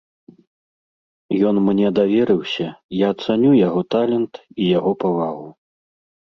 Ён мне даверыўся, я цаню яго талент і яго павагу.